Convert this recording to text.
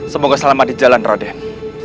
semoga selamat di jalan roden